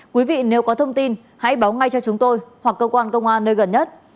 quý vị nếu có thông tin hãy báo ngay cho chúng tôi hoặc cơ quan công an nơi gần nhất